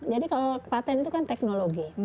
jadi kalau patent itu kan teknologi